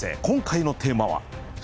今回のテーマは？